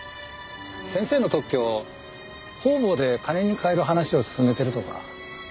先生の特許方々で金に変える話を進めてるとか。